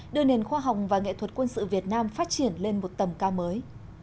đưa nền khoa học và nghệ thuật quân sự việt nam phát triển lên một tầm cao mới